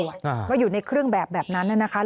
ว่าอยู่ในเครื่องแบบแบบนั้นน่ะนะคะ